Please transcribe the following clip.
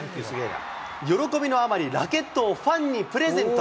喜びのあまり、ラケットをファンにプレゼント。